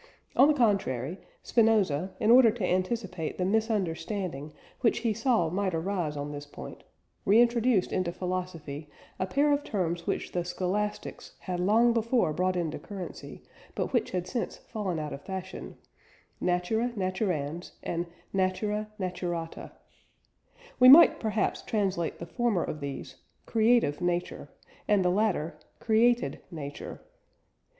On the contrary, Spinoza, in order to anticipate the misunderstanding which he saw might arise on this point, reintroduced into philosophy a pair of terms which the Scholastics had long before brought into currency, but which had since fallen out of fashion Natura naturans and Natura naturata. We might perhaps translate the former of these, "Creative Nature," and the latter, "Created Nature."